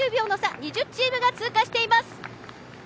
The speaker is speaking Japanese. ２０チームが通過しています。